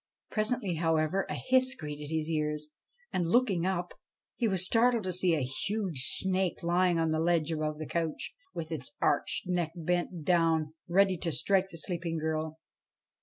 Presently, however, a hiss greeted his ears ; and, looking up, he was startled to see a huge snake lying on the ledge above the couch, with its arched neck bent down ready to strike the sleeping girl.